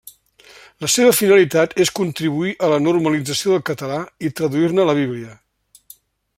La seva finalitat és contribuir a la normalització del català i traduir-ne la Bíblia.